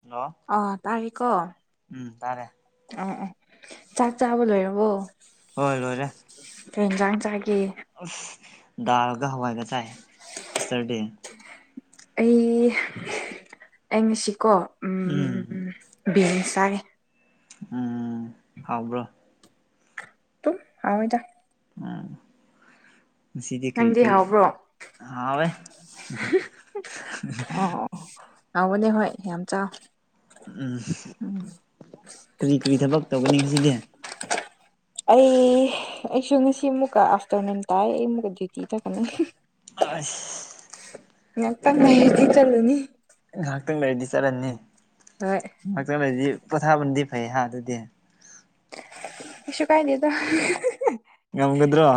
Hello ꯑ ꯇꯥꯌꯦꯀꯣ ꯎꯝ ꯇꯥꯔꯦ ꯎꯝ ꯎꯝ ꯆꯥꯛ ꯆꯥꯕ ꯂꯣꯏꯔꯕꯣ ꯍꯣꯏ ꯂꯣꯏꯔꯦ ꯀꯔꯤ ꯍꯦꯟꯖꯥꯡ ꯆꯥꯒꯦ ꯑꯁ ꯗꯥꯜꯒ ꯍꯋꯥꯏꯒ ꯆꯥꯏ ꯁꯤꯁꯇꯔꯗꯤ ꯑꯩ ꯑꯩꯉꯁꯤꯀꯣ ꯎꯝ ꯕꯤꯟꯁ ꯆꯥꯔꯦ ꯎꯝ ꯍꯥꯎꯕ꯭ꯔꯣ ꯗꯨꯝ ꯍꯥꯎꯏꯗ ꯎꯝ ꯉꯁꯤꯗꯤ ꯀꯔꯤ ꯅꯪꯗꯤ ꯄꯤ ꯍꯥꯎꯕ꯭ꯔꯣ ꯍꯥꯎꯋꯦ ꯑꯣ ꯑꯣ ꯍꯥꯎꯕꯅꯦ ꯍꯣꯏ ꯌꯥꯝ ꯆꯥꯎ ꯎꯝ ꯎꯝ ꯀ꯭ꯔꯤ ꯀ꯭ꯔꯤ ꯊꯕꯛ ꯇꯧꯒꯅꯤ ꯖꯤꯗꯤ ꯑꯩ ꯑꯩꯁꯨ ꯉꯁꯤ ꯃꯨꯛꯀ ꯑꯥꯐꯇꯔꯅꯨꯟ ꯇꯥꯏ ꯑꯩ [unintelligible] ꯑꯁ ꯉꯛꯇꯪ ꯂꯩꯔꯥꯗꯤ ꯆꯠꯂꯨꯅꯤ ꯉꯥꯛ ꯇꯪ ꯂꯩꯔꯗꯤ ꯆꯠꯂꯥꯅꯤ ꯍꯣꯏ ꯉꯥꯛꯆꯅꯗꯤ ꯄꯣꯊꯥꯕꯅꯗꯤ ꯐꯩ ꯍꯥ ꯑꯗꯨꯗꯤ ꯀꯩꯁꯨ ꯀꯥꯏꯗꯦꯗꯥ ꯉꯝꯒꯗ꯭ꯔꯣ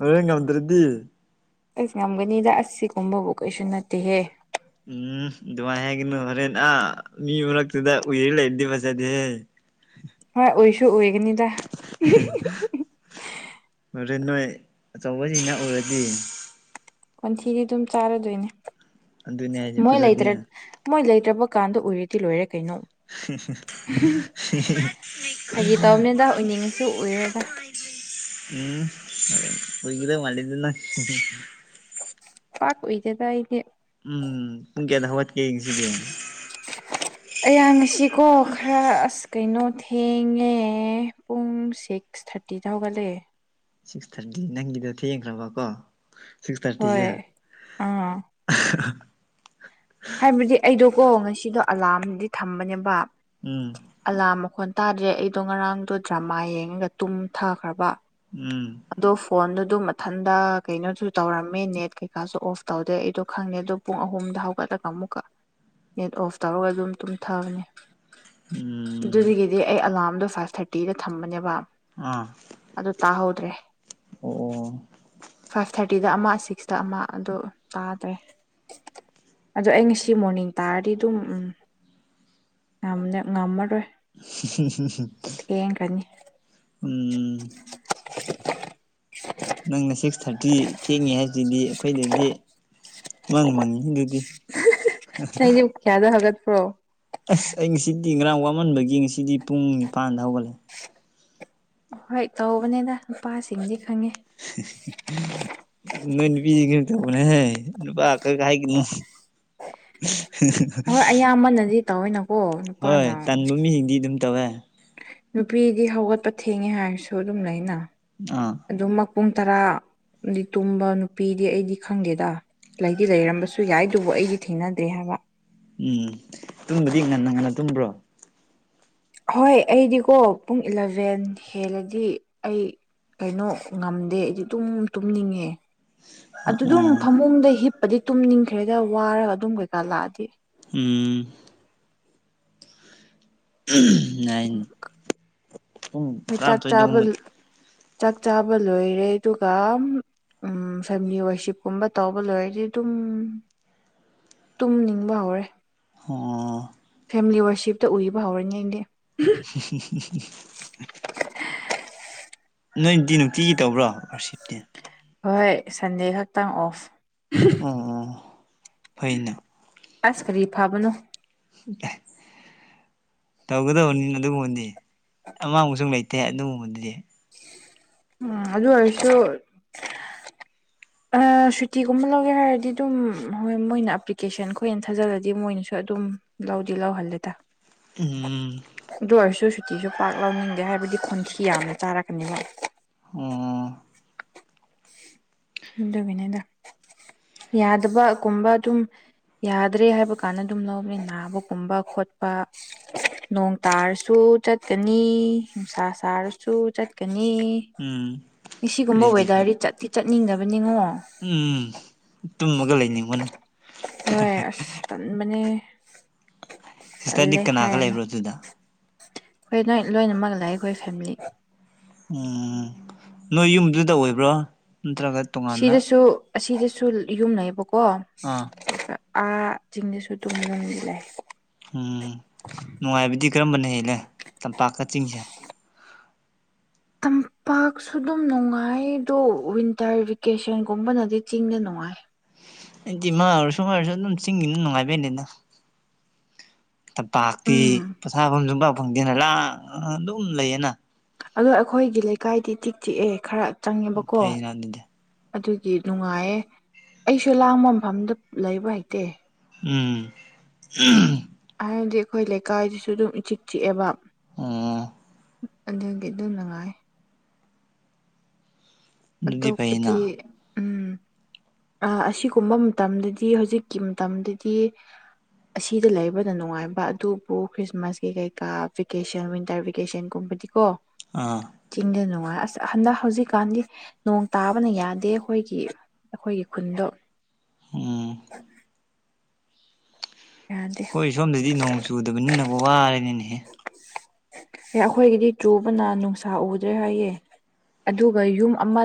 ꯍꯣꯔꯦꯟ ꯉꯝꯗ꯭ꯔꯗꯤ ꯑꯩꯁ ꯉꯝꯒꯅꯤꯗ ꯑꯁꯁꯤꯒꯨꯝꯕꯕꯨ ꯀꯩꯁꯨ ꯅꯠꯇꯦꯍꯦ ꯎꯝ ꯃꯥꯏ ꯍꯥꯏꯒꯅꯨ ꯍꯣꯔꯦꯟ ꯑ ꯃꯤ ꯃꯔꯛꯇꯨꯗ ꯎꯏꯔꯤ ꯂꯩꯔꯗꯤ ꯐꯖꯗꯦꯍꯦ ꯍꯣꯏ ꯎꯏꯁꯨ ꯎꯏꯒꯅꯤꯗ ꯐꯔꯦ ꯅꯣꯏ ꯑꯆꯧꯕꯁꯤꯅ ꯎꯔꯗꯤ ꯀꯣꯟꯊꯤꯗꯤ ꯑꯗꯨꯝ ꯆꯥꯔꯗꯣꯏꯅꯦ ꯑꯗꯨꯅꯦ ꯍꯥꯏꯁꯦ ꯃꯣꯏ ꯐꯖꯗꯦ ꯂꯩꯇ꯭ꯔ ꯃꯣꯏ ꯂꯩꯇ꯭ꯔꯕ ꯀꯥꯟꯗ ꯎꯔꯦꯗꯤ ꯂꯣꯏꯔꯦ ꯀꯩꯅꯣ [unintelligible] ꯑꯣꯏꯅꯤꯡꯉꯁꯨ ꯎꯔꯣꯏꯗ ꯎꯝ ꯎꯔꯤꯒꯂ ꯃꯜꯂꯤꯅ ꯅꯡ ꯄꯥꯛ ꯑꯣꯏꯣꯏꯗꯦꯗ ꯑꯩꯗꯤ ꯎꯝ ꯄꯨꯡ ꯀꯌꯥꯗ ꯍꯧꯋꯥꯠꯀꯦ ꯉꯥꯁꯤꯗꯤ ꯑꯩꯍ ꯉꯁꯤꯀꯣ ꯈꯔ ꯑꯁ ꯑꯁ ꯀꯩꯅꯣ ꯊꯦꯡꯉꯦ ꯄꯨꯡ ꯁꯤꯛꯁ ꯊꯥꯔꯇꯤꯗ ꯍꯧꯒꯠꯂꯛꯑꯦ ꯁꯤꯛꯁ ꯊꯥꯔꯇꯤ ꯅꯪꯒꯤꯗ ꯊꯦꯡꯈ꯭ꯔꯕꯀꯣ ꯁꯤꯛꯁ ꯍꯣꯏ ꯊꯥꯔꯇꯤꯁꯦ ꯑꯥ [unintelligible] ꯍꯥꯏꯕꯗꯤ ꯑꯩꯗꯣꯀꯣ ꯉꯁꯤꯗꯣ ꯑꯂꯥꯔꯝꯗꯤ ꯊꯝꯕꯅꯦꯕ ꯎꯝ ꯑꯂꯥꯔꯝ ꯃꯈꯣꯟ ꯇꯥꯗ꯭ꯔꯦ ꯑꯩꯗꯣ ꯉꯔꯥꯡꯗꯣ ꯗ꯭ꯔꯃꯥ ꯌꯦꯡꯉꯒ ꯇꯨꯝꯊꯥꯈ꯭ꯔꯕ ꯎꯝ ꯑꯗꯣ ꯐꯣꯟꯗꯨꯗ ꯃꯊꯟꯗ ꯀꯩꯅꯣꯁꯨ ꯇꯧꯔꯝꯃꯤ ꯅꯦꯠ ꯀꯩꯀꯥꯁꯨ ꯑꯣꯐ ꯇꯧꯗꯦ ꯑꯩꯗꯣ ꯈꯪꯗꯦ ꯑꯗꯨꯣ ꯄꯨꯡ ꯑꯍꯨꯝꯗ ꯍꯧꯒꯠꯂꯒ ꯑꯃꯨꯛꯀ ꯅꯦꯠ ꯑꯣꯐ ꯇꯧꯔꯒ ꯑꯗꯨꯝ ꯇꯨꯝꯊꯕꯅꯤ ꯎꯝ ꯑꯗꯨꯒꯤꯗꯤ ꯑꯩ ꯑꯂꯥꯔꯝꯗꯣ ꯐꯥꯏꯚ ꯊꯥꯔꯇꯤꯗ ꯊꯝꯕꯅꯦꯕ ꯑꯥ ꯑꯗꯨ ꯇꯥꯍꯧꯗ꯭ꯔꯦ ꯑꯣ ꯐꯥꯏꯚ ꯊꯥꯔꯇꯤꯗ ꯑꯃ ꯁꯤꯛꯁꯇ ꯑꯃ ꯑꯗꯨ ꯇꯥꯗ꯭ꯔꯦ ꯑꯗꯣ ꯑꯩ ꯉꯁꯤ ꯃꯣꯔꯅꯤꯡ ꯇꯥꯔꯗꯤ ꯑꯗꯨꯝ ꯎꯝ ꯌꯥꯝ ꯉꯝꯃꯔꯣꯏ ꯊꯦꯡꯈ꯭ꯔꯅꯤ ꯎꯝ ꯅꯪꯅ ꯁꯤꯛꯁ ꯊꯥꯔꯇꯤ ꯊꯦꯡꯉꯦ ꯍꯥꯏꯕꯁꯤꯗꯤ ꯑꯩꯈꯣꯏꯗꯗꯤ ꯃꯉ ꯃꯥꯡꯉꯤ ꯍ ꯑꯗꯨꯗꯤ ꯅꯡꯗꯤ ꯄꯨꯡ ꯀꯌꯥꯗꯣ ꯍꯥꯏꯒꯠ꯭ꯄꯔꯣ ꯑꯁ ꯑꯩ ꯉꯁꯤꯗꯤ ꯉꯔꯥꯡ ꯋꯥꯃꯟꯕꯒꯤ ꯉꯁꯤꯗꯤ ꯄꯨꯡ ꯅꯤꯄꯥꯟꯗ ꯍꯧꯒꯠꯂꯦ ꯍꯣꯏ ꯇꯧꯕꯅꯤꯅ ꯅꯨꯄꯥꯁꯤꯡꯗꯤ ꯈꯪꯉꯦ ꯅꯣꯏ ꯅꯨꯄꯤ ꯁꯤꯡꯁꯨ ꯇꯕꯅꯦꯍꯦ ꯅꯨꯄꯥ ꯈꯛ ꯍꯥꯏꯒꯅꯨ [unintelligible] ꯍꯣꯏ ꯑꯌꯥꯝꯕꯅꯗꯤ ꯇꯧꯋꯤꯅꯀꯣ ꯍꯣꯏ ꯅꯨꯄꯥꯅ ꯇꯟꯕ ꯃꯤꯁꯤꯡꯗꯤ ꯑꯗꯨꯝ ꯇꯧꯋꯦ ꯅꯨꯄꯤꯗꯤ ꯍꯧꯒꯠꯄ ꯊꯦꯡꯉꯦ ꯍꯥꯏꯔꯁꯨ ꯑꯗꯨꯝ ꯂꯩꯅ ꯑꯥ ꯑꯗꯨꯝꯃꯛ ꯄꯨꯡ ꯇꯔꯥꯗꯤ ꯇꯨꯝꯕ ꯅꯨꯄꯤꯗꯤ ꯑꯩꯗꯤ ꯈꯪꯗꯦꯗ ꯂꯩꯗꯤ ꯂꯩꯔꯝꯕꯁꯨ ꯁꯨ ꯌꯥꯏ ꯑꯗꯨꯕꯨ ꯑꯩꯗꯤ ꯊꯦꯡꯅꯗ꯭ꯔꯦ ꯍꯥꯏꯕ ꯎꯝ ꯇꯨꯝꯕꯗꯤ ꯉꯟꯅ ꯉꯟꯅ ꯇꯨꯝꯕ꯭ꯔꯣ ꯍꯣꯏ ꯑꯩꯗꯤꯀꯣ ꯄꯨꯡ ꯏꯂꯚꯦꯟ ꯍꯦꯜꯂꯗꯤ ꯑꯩ ꯀꯩꯅꯣ ꯉꯝꯗꯦ ꯑꯩꯗꯤ ꯑꯗꯨꯝ ꯇꯨꯝꯅꯤꯡꯉꯦ ꯑꯗꯨꯗꯨꯝ ꯎꯝ ꯐꯃꯨꯡꯗ ꯍꯤꯞꯄꯗꯤ ꯇꯨꯝꯅꯤꯡꯈ꯭ꯔꯦꯗ ꯋꯥꯔꯒ ꯑꯗꯨꯝ ꯀꯩꯀꯥ ꯂꯥꯛꯑꯗꯤ ꯎꯝ ꯄꯨꯡ ꯍꯣꯏ ꯆꯥꯛ ꯆꯥꯕ ꯇꯔꯥꯃꯥꯊꯣꯏꯗꯒꯨꯝꯕ ꯆꯥꯛ ꯆꯥꯕ ꯂꯣꯏꯔꯦ ꯑꯗꯨꯒ ꯎꯝ ꯐꯦꯃꯤꯂꯤ ꯋꯔꯁꯤꯞꯀꯨꯝꯕ ꯇꯧꯕ ꯂꯣꯏꯔꯗꯤ ꯑꯗꯨꯝ ꯇꯨꯝꯅꯤꯡꯕ ꯍꯧꯔꯦ ꯑꯣ ꯐꯦꯃꯤꯂꯤ ꯋꯥꯔꯁꯤꯞꯇ ꯎꯕ ꯍꯧꯔꯅꯤꯉꯡꯗꯤꯦ [inaudible] ꯅꯣꯏꯗꯤ ꯅꯨꯡꯇꯤꯒꯤ ꯇꯧꯕ꯭ꯔꯣ ꯔꯤꯁꯤꯞꯇꯤ ꯍꯣꯏ ꯁꯟꯗꯦ ꯈꯛꯇꯪ ꯑꯣꯐ ꯑꯣ ꯑꯣ ꯐꯩꯅ ꯑꯁ ꯀꯔꯤ ꯐꯥꯕꯅꯣ [inaudible] ꯇꯧꯒꯗꯕꯅꯤꯅ ꯑꯗꯨꯒꯨꯝꯕꯗꯤ ꯑꯃꯥꯡꯕꯁꯨ ꯂꯩꯇꯦ ꯑꯗꯨꯒꯨꯝꯕꯗꯨꯗꯤ ꯎꯝ ꯑꯗꯨ ꯑꯣꯏꯔꯁꯨ ꯁꯨꯇꯤꯒꯨꯝꯕ ꯂꯧꯒꯦ ꯍꯥꯏꯔꯗꯤ ꯑꯗꯨꯝ ꯍꯣꯏ ꯃꯣꯏꯅ ꯑꯦꯄ꯭ꯂꯤꯀꯦꯁꯟꯈꯣꯏꯅ ꯊꯥꯖꯤꯜꯂꯗꯤ ꯃꯣꯏꯅꯁꯨ ꯑꯗꯨꯝ ꯂꯎꯖꯤ ꯂꯥꯎ ꯍꯜꯂꯦ ꯇ ꯎꯝ ꯑꯗꯨ ꯑꯣꯏꯔꯁꯨ ꯁꯨꯇꯤꯁꯨ ꯄꯥꯛ ꯂꯧꯅꯤꯡꯗꯦ ꯍꯥꯏꯕꯗꯤ ꯈꯣꯟꯈꯤ ꯌꯥꯝꯅ ꯆꯥꯔꯛꯀꯅꯤꯕ ꯑꯣ ꯗꯣꯕꯤꯅꯦꯗ ꯌꯥꯗꯕꯒꯨꯝꯕ ꯑꯗꯨꯝ ꯌꯥꯗ꯭ꯔꯦ ꯍꯥꯏꯕ ꯀꯥꯟꯗ ꯑꯗꯨꯝ ꯂꯧꯃꯤ ꯅꯥꯕꯒꯨꯝꯕ ꯈꯣꯠꯄ ꯅꯣꯡ ꯇꯥꯔꯁꯨ ꯆꯠꯀꯅꯤ ꯅꯨꯡꯁꯥ ꯁꯥꯔꯁꯨ ꯆꯠꯀꯅꯤ ꯎꯝ ꯁꯤꯒꯨꯝꯕ ꯀꯔꯤꯗꯤ ꯐꯩ ꯋꯦꯗꯔꯗꯤ ꯆꯠꯇꯤ ꯆꯠꯅꯤꯡꯗꯕꯅꯤꯉꯣ ꯎꯝ ꯇꯨꯝꯃꯒ ꯂꯩꯅꯤꯡꯕꯅ ꯇꯟꯃꯅꯤ ꯁꯤꯁꯇꯔꯗꯤ ꯇꯂꯦ ꯀꯅꯥꯒ ꯍꯥꯏꯅ ꯂꯩꯕ꯭ꯔꯣ ꯑꯗꯨꯗ ꯑꯩꯈꯣꯏ ꯅꯣꯏ ꯂꯣꯏꯅꯃꯛ ꯂꯥꯛꯑꯦ ꯑꯩꯈꯣꯏ ꯐꯦꯃꯤꯂꯤ ꯎꯝ ꯅꯣꯏ ꯌꯨꯝꯗꯨꯗ ꯑꯣꯏꯕ꯭ꯔꯣ ꯅꯠꯇ꯭ꯔꯒ ꯇꯣꯉꯥꯟꯅ ꯁꯤꯗꯁꯨ ꯑꯁꯤꯗꯁꯨ ꯌꯨꯝ ꯂꯩꯩꯕꯀꯣ ꯑꯥ ꯑꯥ ꯆꯤꯡꯗꯁꯨ ꯇꯨꯡꯕ ꯌꯝꯗꯤ ꯂꯩ ꯎꯝ ꯅꯨꯡꯉꯥꯏꯕꯗꯤ ꯀꯔꯝꯕꯅ ꯍꯂꯦ ꯇꯝꯄꯥꯛꯀ ꯆꯤꯡꯁꯦ ꯇꯝꯄꯥꯛꯁꯨ ꯑꯗꯨꯝ ꯅꯨꯡꯉꯥꯏꯗꯣ ꯋꯤꯟꯇꯔ ꯚꯦꯀꯦꯁꯟꯒꯨꯝꯕꯅꯗꯤ ꯆꯤꯡꯅ ꯅꯨꯡꯉꯥꯏ ꯏꯗꯤꯃꯥꯔꯁꯨꯨꯝꯃꯔꯁꯨ ꯑꯗꯨꯝ ꯆꯤꯡꯒꯤꯅ ꯅꯨꯡꯉꯥꯏꯕꯗꯦꯗ ꯇꯝꯄꯥꯛꯇꯤ ꯎꯝ ꯄꯩꯁꯥꯐꯝꯁꯨꯨꯡ ꯄꯥꯛ ꯐꯪꯗꯦꯅ ꯂꯥꯛ ꯑꯗꯨꯝ ꯂꯩꯌꯦꯅ ꯑꯗꯣ ꯑꯩꯈꯣꯏꯒꯤ ꯂꯩꯀꯥꯏꯗꯤ ꯆꯤꯛ ꯆꯤꯛꯑꯦ ꯈꯔ ꯆꯪꯉꯦꯕꯀꯣ ꯐꯩꯅ ꯑꯗꯨꯗꯤ ꯑꯗꯨꯒꯤ ꯅꯨꯡꯉꯥꯏꯌꯦ ꯑꯩꯁꯨ ꯂꯥꯡꯕ ꯃꯐꯝꯗ ꯂꯩꯕ ꯍꯩꯛꯇꯦ ꯎꯝ ꯍꯥꯏꯗꯤ ꯑꯩꯈꯣꯏ ꯂꯩꯀꯥꯏꯁꯤꯁꯨ ꯑꯗꯨꯝ ꯏꯆꯤꯛ ꯆꯤꯛꯑꯦꯕ ꯑꯣ ꯑꯗꯨꯒꯤ ꯑꯗꯨꯝ ꯅꯨꯡꯉꯥꯏ ꯑꯗꯨꯗꯤ ꯐꯩꯅ ꯑꯇꯣꯞꯄꯗꯤ ꯎꯝ ꯑꯁꯤꯒꯨꯝꯕ ꯃꯇꯝꯗꯗꯤ ꯍꯧꯖꯤꯛꯀꯤ ꯃꯇꯝꯗꯗꯤ ꯑꯁꯤꯗ ꯂꯩꯕꯗ ꯅꯨꯡꯉꯥꯏꯕ ꯑꯗꯨꯕꯨ ꯈ꯭ꯔꯤꯁꯃꯥꯁꯀꯤ ꯀꯩꯀꯥ ꯚꯦꯀꯦꯁꯟ ꯋꯤꯟꯇꯔ ꯚꯦꯀꯦꯁꯟꯒꯨꯝꯕꯗꯤ ꯀꯣ ꯑꯥ ꯆꯤꯡꯗ ꯅꯨꯡꯉꯥꯏ ꯑꯁ ꯍꯟꯗꯛ ꯍꯧꯖꯤꯛꯀꯥꯟꯗꯤ ꯅꯣꯡ ꯇꯥꯕꯅ ꯌꯥꯗꯦ ꯑꯩꯈꯣꯏꯒꯤ__ ꯑꯩꯈꯣꯏꯒꯤ ꯈꯨꯟꯗꯣ__ ꯎꯝ꯫ ꯌꯥꯗꯦ ꯑꯩꯈꯣꯏ ꯁꯣꯝꯗꯗꯤ ꯅꯣꯡ ꯆꯨꯗꯕꯅꯤꯅ ꯋꯥꯔꯦꯅꯤꯅꯦꯍꯦ꯫ ꯑꯦ ꯑꯩꯈꯣꯏꯒꯤꯗꯤ ꯆꯨꯕꯅ ꯅꯨꯡꯁꯥ ꯎꯗ꯭ꯔꯦ ꯍꯥꯏꯌꯦ ꯑꯗꯨꯒ ꯌꯨꯝ ꯑꯃ__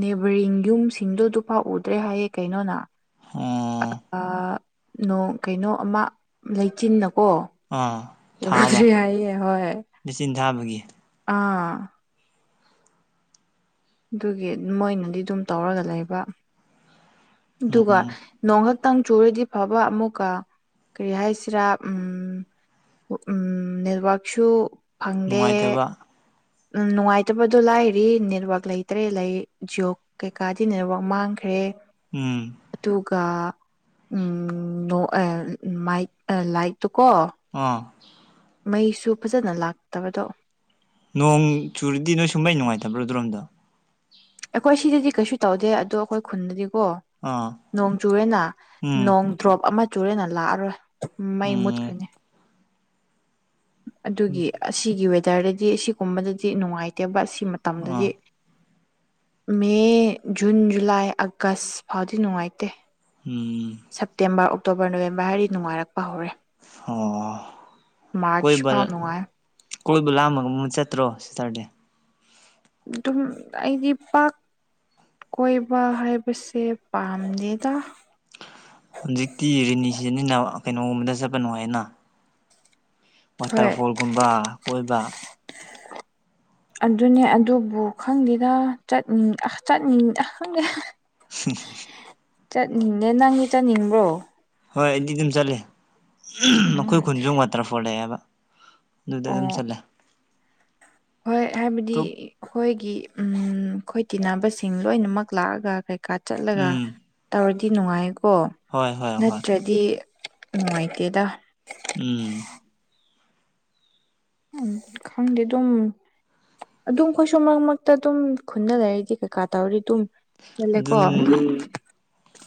ꯅꯦꯕꯔꯤꯡ ꯌꯨꯝꯁꯤꯡꯗꯣ ꯑꯗꯨ ꯐꯥꯛ ꯎꯗ꯭ꯔꯦ ꯍꯥꯏꯌꯦ ꯀꯩꯅꯣꯅ꯫ ꯑꯣ ꯑꯥ ꯅꯣꯡ ꯀꯩꯅꯣ ꯑꯃ ꯂꯩꯆꯤꯟꯅꯀꯣ__ ꯑꯥ꯫ ꯊꯥꯕ ꯎꯗ꯭ꯔꯤ ꯍꯥꯏꯌꯦ ꯍꯣꯏ꯫ ꯃꯦꯆꯤꯟ ꯊꯥꯕꯒꯤ꯫ ꯑꯥ꯫ ꯗꯨꯒꯤ ꯃꯣꯏꯅꯗꯤ ꯗꯨꯝ ꯇꯧꯔꯒ ꯂꯩꯕ꯫ ꯗꯨꯒꯥ__ ꯎꯝ ꯅꯣꯡꯍꯥꯛꯇꯪ ꯆꯨꯔꯗꯤ ꯐꯕ ꯑꯃꯨꯛꯀ ꯀꯔꯤ ꯍꯥꯏꯁꯤꯔꯥ ꯎꯝ__ ꯎ ꯎꯝ ꯅꯦꯠꯋꯥꯛꯁꯨ ꯐꯪꯗꯦ꯫ ꯅꯨꯡꯉꯥꯏꯇꯕ ꯎꯝ ꯅꯨꯡꯉꯥꯏꯇꯕꯗꯣ ꯂꯥꯏꯔꯤ ꯅꯦꯠꯋꯥꯛ ꯂꯩꯇ꯭ꯔꯦ ꯂꯩ ꯖꯣ__ ꯀꯩꯀꯥꯗꯤ ꯅꯦꯠꯋꯥꯛ ꯃꯥꯡꯈ꯭ꯔꯦ꯫ ꯎꯝ꯫ ꯗꯨꯒꯥ ꯎꯝ ꯅꯣ ꯑꯦ ꯎꯝ ꯃꯥꯏꯛ ꯂꯥꯏꯠꯇꯨꯀꯣ__ ꯑꯥ꯫ ꯃꯩꯁꯨ ꯐꯖꯅ ꯂꯥꯛꯇꯕꯗꯣ꯫ ꯅꯣꯡ ꯆꯨꯨꯔꯗꯤ ꯅꯣꯏꯁꯨ ꯃꯩ ꯅꯨꯡꯉꯥꯏꯇꯕ꯭ꯔꯣ ꯑꯗꯨꯔꯣꯝꯗ꯫ ꯑꯩꯈꯣꯏ ꯁꯤꯗꯗꯤ ꯀꯩꯁꯨ ꯇꯧꯗꯦ ꯑꯗꯣ ꯑꯩꯈꯣꯏ ꯈꯨꯟꯗꯗꯤꯀꯣ ꯑꯥ ꯅꯣꯡ ꯆꯨꯔꯦꯅ ꯎꯝ ꯅꯣꯡ__ ꯗ꯭ꯔꯣꯞ ꯑꯃ ꯆꯨꯔꯦꯅ ꯂꯥꯛꯑꯔꯣꯏ ꯃꯩ ꯎꯝ ꯃꯨꯠꯈ꯭ꯔꯅꯤ꯫ ꯑꯗꯨꯒꯤ ꯑꯁꯤꯒꯤ ꯋꯦꯗꯔꯗꯗꯤ ꯑꯁꯤꯒꯨꯝꯕꯗꯗꯤ ꯅꯨꯡꯉꯥꯏꯇꯦꯕ ꯁꯤꯃ__ ꯑꯥ ꯇꯝꯗꯗꯤ__ ꯃꯦ ꯖꯨꯟ ꯖꯨꯂꯥꯏ ꯑꯥꯒꯁ ꯐꯥꯎꯗꯤ ꯅꯨꯡꯉꯥꯏꯇꯦ꯫ ꯎꯝ꯫ ꯁꯦꯞꯇꯦꯝꯕꯔ ꯑꯣꯛꯇꯣꯕꯔ ꯅꯣꯕꯦꯝꯕꯔ ꯍꯥꯏꯗꯤ ꯅꯨꯡꯉꯥꯏꯔꯛꯄ ꯍꯧꯔꯦ꯫ ꯑꯣ ꯃꯥꯔꯆ ꯀꯣꯏꯕ __ ꯐꯥꯎ ꯅꯨꯡꯉꯥꯏ ꯀꯣꯏꯕ ꯂꯥꯝꯃꯒꯨꯝ ꯆꯠꯇ꯭ꯔꯣ ꯁꯦꯇꯔꯗꯦ꯫ ꯗꯨꯝ ꯑꯩꯒꯤ ꯄꯥꯛ__ ꯀꯣꯏꯕ ꯍꯥꯏꯕꯁꯦ ꯄꯥꯝꯗꯦꯗꯥ ꯍꯨꯖꯤꯛꯇꯤ ꯔ‌ꯦꯅꯤ ꯁꯤꯖꯟꯅꯤꯅꯥ ꯀꯩꯅꯣꯝꯗ ꯆꯠꯄ ꯅꯨꯡꯉꯥꯏꯅꯥ꯫ ꯍꯣꯏ ꯋꯥꯇꯔꯐꯣꯜꯒꯨꯝꯕ ꯀꯣꯏꯕ ꯑꯗꯨꯅꯦ ꯑꯗꯨꯕꯨ ꯈꯪꯗꯦꯗꯥ ꯆꯠꯅꯤ ꯑꯁ ꯆꯠꯅꯤ ꯑꯍ ꯈꯪꯗꯦ꯫ [unintelligible] ꯆꯠꯅꯤꯅꯦ ꯅꯪꯗꯤ ꯆꯠꯅꯤꯡꯕ꯭ꯔꯣ꯫ ꯍꯣꯏ ꯑꯩꯗꯤ ꯗꯨꯝ ꯆꯠꯂꯦ ꯃꯈꯣꯏ ꯎꯝ ꯈꯨꯟꯖꯨ ꯋꯥꯇꯔꯐꯣꯜ ꯂꯩꯑꯦꯕ꯫ ꯗꯨꯗ ꯑꯗꯨꯝ ꯑꯣ ꯆꯠꯂꯦ꯫ ꯍꯣꯏ ꯍꯥꯏꯕꯗꯤ ꯑꯇꯣꯞ ꯑꯩꯈꯣꯏꯒꯤ ꯎꯝ ꯑꯩꯈꯣꯏ ꯇꯤꯟꯅꯕꯁꯤꯡ ꯂꯣꯏꯅꯃꯛ ꯂꯥꯛꯑꯒ ꯀꯩ ꯀꯥ ꯆꯠꯂꯒ ꯎꯝ ꯇꯧꯔꯗꯤ ꯅꯨꯡꯉꯥꯏꯀꯣ ꯍꯣꯏ ꯍꯣꯏ ꯍꯣꯏ ꯅꯠꯇ꯭ꯔ ꯗꯤ ꯅꯨꯡꯉꯥꯏꯇꯦꯗꯥ꯫ ꯎꯝ꯫ ꯎꯝ ꯈꯪꯗꯦ ꯑꯗꯨꯝ ꯑꯗꯨꯝ ꯈꯣꯏꯁꯨ ꯃꯔꯛ ꯃꯔꯛꯇ ꯑꯗꯨꯝ ꯈꯨꯟꯗ ꯂꯩꯔꯗꯤ ꯀꯩꯀꯥ ꯇꯧꯔꯤ ꯗꯨꯝ ꯑꯗꯨꯟ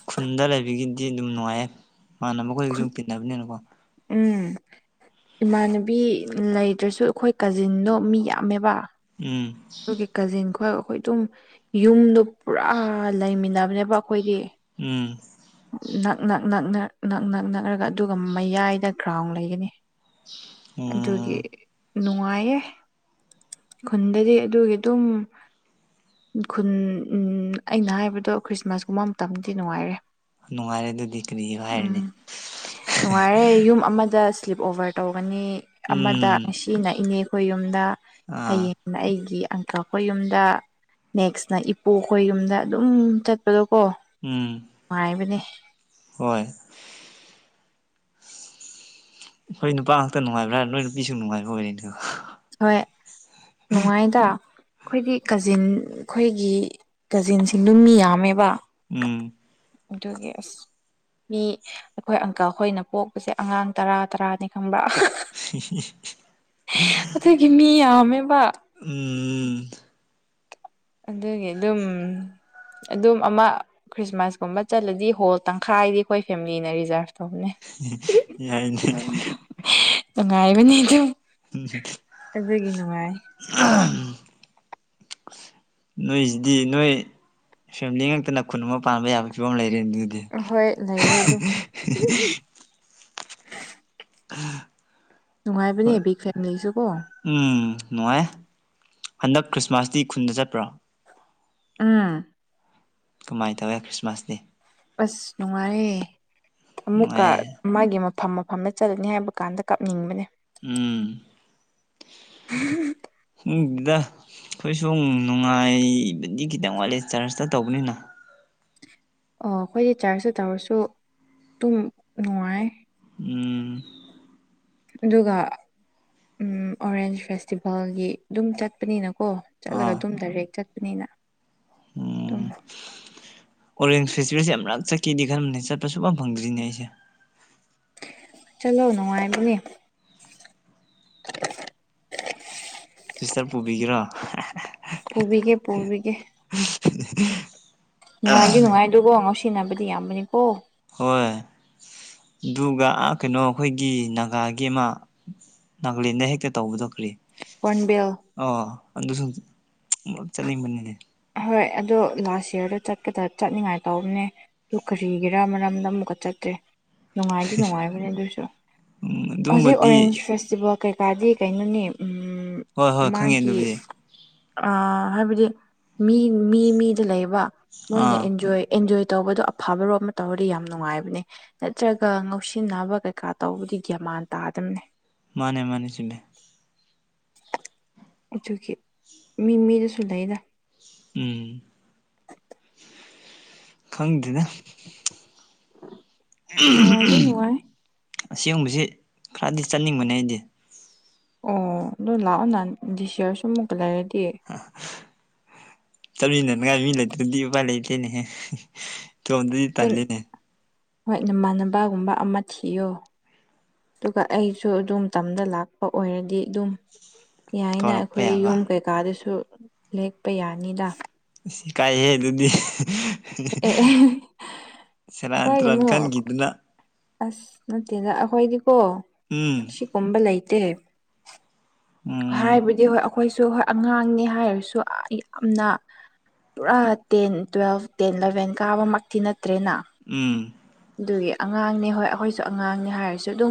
ꯈꯨꯟꯗ ꯂꯩꯕꯒꯤꯗꯤ ꯑꯗꯨꯝ ꯅꯨꯡꯉꯥꯏꯌꯦ ꯏꯃꯥꯥꯟꯅꯕ ꯑꯈꯣꯏꯖꯨ ꯈꯨꯠ ꯇꯤꯟ ꯅꯕꯅꯦꯅꯀꯣ꯫ ꯎꯝ꯫ ꯏꯃꯥꯟꯅꯕꯤ ꯂꯩꯇ꯭ꯔꯁꯨ ꯑꯩꯈꯣꯏ ꯀꯖꯤꯟꯗꯣ ꯃꯤ ꯌꯥꯝꯃꯦꯕ꯫ ꯎꯝ ꯑꯗꯨꯒꯤ ꯀꯖꯤꯟꯈ‌ꯣꯏ ꯑꯩꯈꯣꯏ ꯑꯗꯨꯝ ꯌꯨꯝꯗꯣ ꯄꯨꯔꯥ ꯂꯩꯃꯤꯟꯅꯕꯅꯦꯕ ꯑꯩꯈꯣꯏꯗꯤ ꯎꯝ ꯅꯛꯅꯛꯅꯛꯅꯛꯅꯛ ꯅꯛꯅꯛꯅꯛꯔꯒ ꯑꯗꯨꯒ ꯃꯌꯥꯏꯗ ꯒ꯭ꯔꯥꯎꯟ ꯂꯩꯒꯅꯤ ꯑꯗꯨꯒꯤ ꯎꯝ ꯅꯨꯡꯉꯥꯏꯌꯦ ꯈꯨꯟꯗꯗꯤ ꯑꯗꯨꯒꯤ ꯑꯗꯨꯝ ꯈꯨꯟ ꯎꯝ ꯑꯩꯅ ꯍꯥꯏꯕꯗꯣ ꯈ꯭ꯔꯤꯁꯃꯥꯁ ꯀꯨꯝꯕ ꯃꯇꯝꯗꯤ ꯅꯨꯡꯉꯥꯏꯔꯦ ꯅꯨꯡꯉꯥꯏꯔꯦ ꯑꯗꯨꯗꯤ ꯀꯔꯤ ꯎꯝ ꯍꯥꯏꯔꯅꯤ ꯅꯨꯡꯉꯥꯏꯔꯦ ꯌꯨꯝ ꯑꯃꯗ ꯁ꯭ꯂꯤꯞ ꯑꯣꯕꯔ ꯇꯧꯒꯅꯤ ꯑꯃꯗ ꯎꯝ ꯉꯁꯤꯅ ꯏꯅꯦ ꯑꯩꯈꯣꯏ ꯌꯨꯝꯗ ꯑꯥ ꯍꯌꯦꯡ ꯅ ꯑꯩꯒꯤ ꯑꯪꯀꯜ ꯈꯣꯏ ꯌꯨꯝꯗ ꯅꯦꯛꯁꯅ ꯏꯄꯨ ꯈꯣꯏ ꯌꯨꯝꯗ ꯑꯗꯨꯝ ꯆꯠꯄꯗꯣ ꯀꯣ ꯎꯝ ꯅꯨꯡꯉꯥꯏꯕꯅꯦ ꯍꯣꯏ ꯈ‌ꯣꯏ ꯅꯨꯄꯥ ꯉꯥꯛꯇ ꯅꯨꯡꯉꯥꯏꯕ꯭ꯔꯥ ꯍꯥꯏ ꯅꯣꯏ ꯅꯨꯄꯤꯁꯨ ꯅꯨꯡꯉꯥꯏꯕ ꯑꯣꯏꯔ‌ꯦꯀ‌ꯣ ꯍꯣꯏ ꯅꯨꯡꯉꯥꯏꯗꯥ ꯑꯩꯈꯣꯏꯒꯤ ꯀꯖꯤꯟ ꯈꯣꯏꯒꯤ ꯀꯖꯤꯟꯁꯤꯡꯗ‌ꯣ ꯃꯤ ꯌꯥꯝꯃꯦꯕ ꯎꯝ ꯑꯗꯨꯒꯤ ꯑꯁ ꯃꯤ ꯑꯩꯈꯣꯏ ꯑꯪꯀꯜ ꯈꯣꯏꯅ ꯄꯣꯛꯄꯁꯦ ꯑꯉꯥꯡ ꯇꯔꯥ ꯇꯔꯥꯅꯤ ꯈꯪꯕ꯭ꯔꯥ [unintelligible] ꯑꯗꯨꯒꯤ ꯃꯤ ꯌꯥꯝꯃꯦꯕ ꯎꯝ ꯎꯝ ꯑꯗꯨꯒꯤ ꯑꯗꯨꯝ ꯑꯗꯨꯝ ꯑꯃ ꯈ꯭ꯔꯤꯁꯃꯥꯁ ꯀꯨꯝꯕ ꯆꯠꯂꯗꯤ ꯍꯣꯜ ꯇꯪꯈꯥꯏꯗꯤ ꯑꯩꯈꯣꯏ ꯐꯦꯃꯤꯂꯤꯅ ꯔꯤꯖꯥꯔꯚ ꯇꯧꯕꯅꯦ ꯌꯥꯏꯅꯦ ꯅꯨꯡꯉꯥꯏꯕꯅꯤ ꯑꯗꯨ ꯍꯝ [unintelligible] ꯅꯣꯏꯁꯤꯗꯤ ꯅꯣꯏ ꯐꯦꯃꯤꯂꯤ ꯉꯥꯛꯛꯇꯅ ꯈꯨꯟ ꯑꯃ ꯄꯥꯟꯕ ꯌꯥꯕ ꯐꯤꯕꯝ ꯂꯩꯔꯦ ꯑꯗꯨꯗꯤ ꯑꯍꯣꯏ ꯂꯩꯔꯦ ꯑꯗꯨꯝ ꯑ ꯅꯨꯡꯉꯥꯏꯕꯅꯦ ꯕꯤꯛ ꯐꯦꯝꯃꯤꯂꯤꯁꯦ ꯀꯣ ꯎꯝ ꯅꯨꯡꯉꯥꯏ ꯍꯟꯗꯛ ꯈ꯭ꯔꯤꯁꯃꯥꯁꯇꯤ ꯈꯨꯟꯗ ꯆꯠꯄ꯭ꯔꯣ ꯎꯝ ꯀꯃꯥꯏꯅ ꯇꯧꯋꯦ ꯈ꯭ꯔꯤꯁꯃꯥꯁꯇꯤ ꯑꯁ ꯅꯨꯡꯉꯥꯏꯌꯦ ꯑꯃꯨꯛꯀ ꯅꯨꯡꯉꯥꯏ ꯃꯥꯒꯤ ꯃꯐꯝ ꯃꯐꯝꯗ ꯆꯠꯂꯅꯤ ꯍꯥꯏꯕ ꯀꯥꯟꯗ ꯀꯞꯅꯤꯡꯕꯅꯦ ꯎꯝ [unintelligible] ꯗꯨꯗ ꯑꯩꯈꯣꯏ ꯁꯨ ꯅꯨꯡꯉꯥꯏꯕꯗꯤ ꯈꯤꯇꯪ ꯋꯥꯠꯂꯤ ꯆꯔꯁꯇ ꯇꯧꯕꯅꯤꯅ ꯑꯣ ꯑꯩꯈꯣꯏ ꯆꯥꯔꯖꯇ ꯇꯧꯔꯁꯨ ꯑꯗꯨꯝ ꯅꯨꯡꯉꯥꯏ ꯎꯝ ꯑꯗꯨꯒ ꯑꯣꯔꯦꯟꯖ ꯐꯦꯁꯇꯤꯚꯦꯜꯒꯤ ꯑꯗꯨꯝ ꯆꯠꯄꯅꯤꯅꯀꯣ ꯆꯠꯂꯒ ꯑꯥ ꯑꯗꯨꯝ ꯗꯥꯏꯔꯦꯛ ꯆꯠꯄꯅꯤꯅ ꯑꯗꯨꯝ ꯑꯣꯔꯦꯟꯁ ꯐꯦꯁꯇꯤꯚꯦꯜꯁꯦ ꯌꯥꯝ ꯃꯔꯛ ꯆꯠꯈꯤꯗꯤꯔꯝꯕꯅꯤ ꯆꯠꯄ ꯁꯨꯐꯝ ꯐꯪꯗ꯭ꯔꯤꯅꯦ ꯑꯩꯁꯦ ꯆꯂꯣ ꯅꯨꯡꯉꯥꯏꯕꯅꯦ ꯁꯤꯁꯇꯔ ꯄꯨꯕꯤꯒꯦꯔꯣ ꯄꯨꯕꯤꯒꯦ ꯄꯨꯕꯤꯒꯦ [unintelligible] ꯅꯨꯡꯉꯥꯏꯗꯤ ꯅꯨꯡꯉꯥꯏꯗꯨꯕꯣ ꯉꯥꯎꯁꯤꯟꯅꯕꯗꯤ ꯌꯥꯝꯕꯅꯤꯀꯣ ꯍꯣꯏ ꯑꯗꯨꯒꯥ ꯀꯩꯅꯣ ꯑꯩꯈꯣꯏꯒꯤ ꯅꯥꯒꯥꯒꯤ ꯑꯃ ꯅꯥꯒꯂꯦꯟꯗ ꯍꯦꯛꯇ ꯇꯧꯕꯗ ꯀ꯭ꯔꯤ ꯍꯣꯔ꯭ꯟꯕꯤꯜ ꯑꯣ ꯑꯗꯨꯁꯨ ꯑꯃꯨꯂꯛ ꯆꯠꯅꯤꯡꯕꯅꯤꯅꯦ ꯍꯣꯏ ꯑꯗꯣ ꯂꯥꯁ ꯌꯔꯗ ꯆꯠꯀꯗ ꯆꯠꯅꯤꯡꯉꯥꯏ ꯇꯧꯕꯅꯦ ꯑꯗꯨ ꯀꯔꯤꯒꯤꯔꯥ ꯃꯔꯝꯗ ꯑꯃꯨꯛꯀ ꯆꯠꯇ꯭ꯔꯦ ꯅꯨꯡꯉꯥꯏꯗꯤ ꯅꯨꯡꯉꯥꯏꯕꯅꯦ ꯑꯗꯨꯏꯁꯨ ꯎꯝ ꯍꯧꯖꯤꯛ ꯑꯗꯨꯒꯨꯝꯕꯗꯤ ꯑꯣꯔꯦꯟꯁ ꯐꯦꯁꯇꯤꯚꯦꯜ ꯀꯩꯀꯥꯗꯤ ꯀꯩꯅꯣꯅꯤ ꯍꯣꯏ ꯍꯣꯏ ꯈꯪꯉꯦ ꯃꯥꯒꯤ ꯑꯗꯨꯕꯨꯗꯤ ꯍꯥꯏꯕꯗꯤ ꯃꯤ ꯃꯤ ꯃꯤꯗ ꯂꯩꯕ ꯃꯣꯏꯅ ꯑꯥ ꯑꯦꯟꯖꯣꯏ ꯑꯦꯟꯖꯣꯏ ꯇꯧꯕꯗꯣ ꯑꯐꯕꯔꯣꯃꯗꯥ ꯇꯧꯔꯗꯤ ꯌꯥꯝꯅ ꯅꯨꯡꯉꯥꯏꯕꯅꯦ ꯅꯠꯇ꯭ꯔꯒ ꯉꯧꯁꯤꯟꯅꯕ ꯀꯩꯀꯥ ꯇꯧꯕꯗꯤ ꯒ꯭ꯌꯥꯃꯥꯟ ꯇꯥꯗꯗꯝꯅꯦ ꯃꯥꯅꯦ ꯃꯥꯅꯦ ꯆꯨꯝꯃꯦ ꯑꯗꯨꯒꯤ ꯃꯤ ꯃꯤꯗꯨꯁꯨ ꯂꯩꯗ ꯎꯝ ꯈꯪꯗꯦꯅ ꯅꯨꯡꯉꯥꯏꯗꯤ ꯅꯨꯡꯉꯥꯏ [unintelligible] ꯑꯁꯦꯡꯕꯁꯤ ꯈꯔꯗꯤ ꯆꯠꯅꯤꯡꯕꯅꯦ ꯑꯩꯗꯤ ꯑꯣ ꯑꯗꯣ ꯂꯥꯛꯑꯣ ꯅꯍꯥꯟ ꯗꯤꯁ ꯌꯥꯔꯁꯨ ꯑꯃꯨꯛꯀ ꯂꯩꯔꯦꯗꯤ ꯆꯠꯃꯤꯟꯅꯅꯤꯡꯉꯥꯏ ꯃꯤ ꯂꯩꯇꯗꯤ ꯎꯄꯥ ꯂꯩꯇꯦꯅꯦꯍꯦ ꯏꯇꯣꯝꯗꯗꯤ ꯇꯜꯂꯤꯅꯦ [unintelligible] ꯍꯣꯏ ꯅꯃꯥꯟꯅꯕꯒꯨꯝꯕ ꯑꯃ ꯊꯤꯌꯣ ꯑꯗꯨꯒ ꯑꯩꯁꯨ ꯑꯗꯨꯝ ꯇꯝꯗ ꯂꯥꯛꯄ ꯑꯣꯏꯔꯗꯤ ꯑꯗꯨꯝ ꯌꯥꯏꯅ ꯀꯧꯔꯛꯄ ꯑꯩꯈꯣꯏ ꯌꯥꯕ ꯌꯨꯝ ꯀꯩꯀꯥꯗꯁꯨ ꯂꯦꯛꯄ ꯌꯥꯅꯤꯗ ꯏꯀꯥꯏꯍꯦ ꯑꯗꯨꯗꯤ ꯑꯦ ꯑꯦ [unintelligible] ꯁꯦꯔꯥꯟ ꯇꯨꯔꯥꯟ ꯍꯥꯏꯒꯅꯨ ꯈꯟꯒꯤꯗꯨꯅ ꯑꯁ ꯅꯠꯇꯦꯗ ꯑꯩꯈꯣꯏꯗꯤꯀꯣ ꯎꯝ ꯁꯤ ꯀꯨꯝꯕ ꯂꯩꯇꯦ ꯎꯝ ꯍꯥꯏꯕꯗꯤ ꯍꯣꯏ ꯑꯩꯈꯣꯏꯁꯨ ꯍꯣꯏ ꯑꯉꯥꯡꯅꯤ ꯍꯥꯏꯔꯁꯨ ꯌꯥꯝꯅ ꯄꯨꯔꯥ ꯇꯦꯟ ꯇꯨꯋꯦꯜꯐ ꯇꯦꯟ ꯏꯜꯂꯚꯦꯟ ꯀꯥꯕꯃꯛꯇꯤ ꯅꯠꯇ꯭ꯔꯦꯅ ꯎꯝ ꯑꯗꯨꯒꯤ ꯑꯉꯥꯡꯅꯦ ꯍꯣꯏ ꯑꯩꯈꯣꯏꯁꯨ ꯑꯉꯥꯡꯅꯦ ꯍꯥꯏꯔꯁꯨ ꯑꯗꯨꯝ